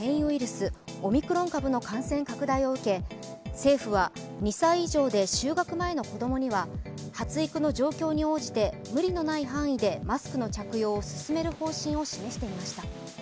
スオミクロン株の感染拡大を受け政府は２歳以上で就学前の子供には発育の状況に応じて無理のない範囲でマスクの着用を進める方針を示していました。